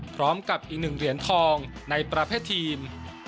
พร้อมกับอีก๑เหรียญทองในประเภททีม